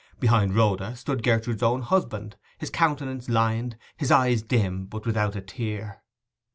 Behind Rhoda stood Gertrude's own husband; his countenance lined, his eyes dim, but without a tear.